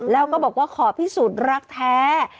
แล้วก็บอกว่าขอพิสูจน์รักแท้